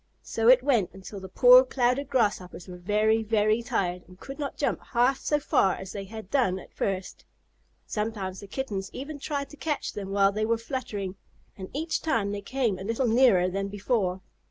So it went until the poor Clouded Grasshoppers were very, very tired and could not jump half so far as they had done at first. Sometimes the Kittens even tried to catch them while they were fluttering, and each time they came a little nearer than before.